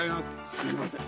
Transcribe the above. すいません